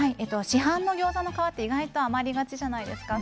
市販のギョーザの皮は意外と余りがちじゃないですか。